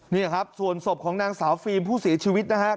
นี่ครับส่วนศพของนางสาวฟิล์มผู้เสียชีวิตนะครับ